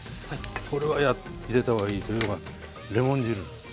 これは入れた方がいいというのがレモン汁。